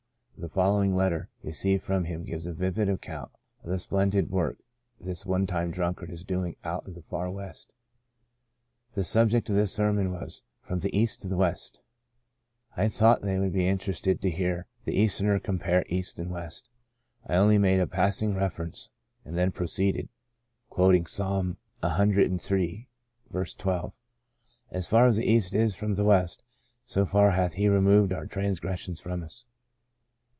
The following letter received from him gives a vivid account of the splendid work this one time drunkard is doing out in the far West :The subject of the sermon was * From the East to the West.' I thought they would 1 16 The Portion of Manasseh be interested to hear the Easterner compare east and west. I only made a passing refer ence, and then proceeded, quoting from Psalm ciii. 12, * As far as the east is from the west, so far hath He removed our transgres sions from us.'